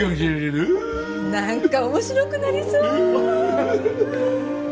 なんか面白くなりそう！